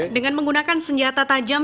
dengan menggunakan senjata tajam